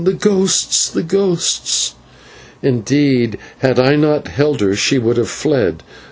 the ghosts! the ghosts!" Indeed, had I not held her she would have fled.